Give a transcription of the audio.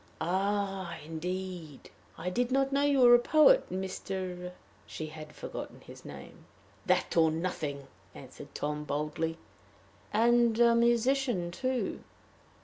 "Ah! indeed! I did not know you were a poet, Mr. " She had forgotten his name. "That or nothing," answered Tom, boldly. "And a musician, too?"